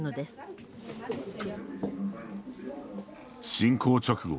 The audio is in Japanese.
侵攻直後